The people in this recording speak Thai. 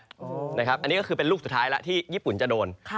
อันนี้ก็คือเป็นลูกสุดท้ายแล้วที่ญี่ปุ่นจะโดน